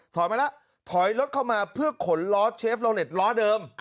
มาแล้วถอยรถเข้ามาเพื่อขนล้อเชฟโลเล็ตล้อเดิม